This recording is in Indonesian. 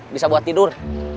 bisa buat tidur